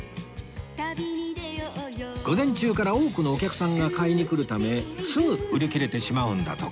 午前中から多くのお客さんが買いに来るためすぐ売り切れてしまうんだとか